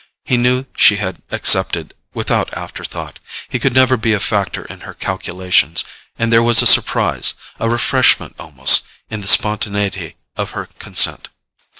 He knew she had accepted without afterthought: he could never be a factor in her calculations, and there was a surprise, a refreshment almost, in the spontaneity of her consent.